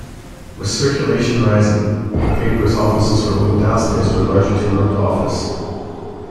With circulation rising, the paper's offices were moved downstairs to a larger two-roomed office.